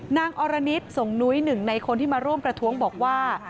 อรณิตส่งนุ้ยหนึ่งในคนที่มาร่วมประท้วงบอกว่า